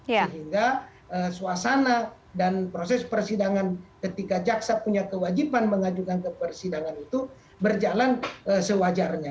sehingga suasana dan proses persidangan ketika jaksa punya kewajiban mengajukan ke persidangan itu berjalan sewajarnya